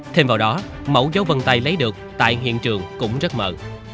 thêm vào đó mẫu dấu vân tay lấy được tại hiện trường cũng rất mở